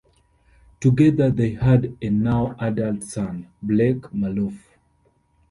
Together they had a now adult son, Blake Maloof.